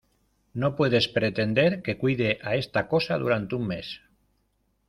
no puedes pretender que cuide a esta cosa durante un mes ;